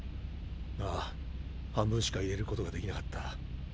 あぁ半分しか入れることができなかった。